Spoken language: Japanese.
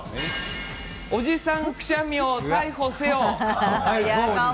おじさんくしゃみを逮捕せよ。